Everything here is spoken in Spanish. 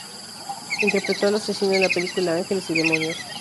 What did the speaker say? Interpretó al asesino en la película Ángeles y demonios.